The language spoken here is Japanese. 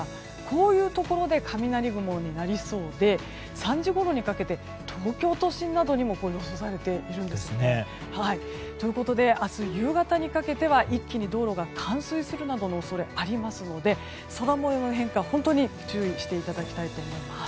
こういうところで雷雲になりそうで３時ごろにかけて東京都心などにも出ているんですよね。ということで明日夕方にかけては一気に道路が冠水するなどの恐れがありますので空模様の変化にご注意いただきたいと思います。